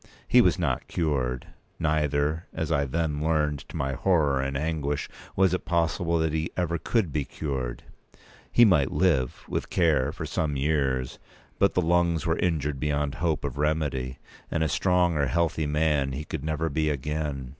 He was not cured; neither, as I then learned to my horror and anguish, was it possible that he ever could be cured. He might live, with care, for some years; but the lungs were injured beyond hope of remedy, and a strong or healthy man he could never be again.